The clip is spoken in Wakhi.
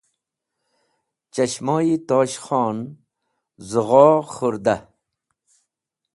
Chashmo-e Tosh Khon zogho khurdah